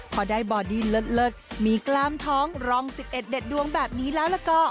พอได้บอดี้เลิศมีกล้ามท้องรอง๑๑เด็ดดวงแบบนี้แล้วก็